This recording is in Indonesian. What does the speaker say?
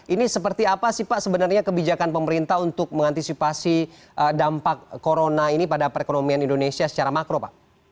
ini seperti apa sih pak sebenarnya kebijakan pemerintah untuk mengantisipasi dampak corona ini pada perekonomian indonesia secara makro pak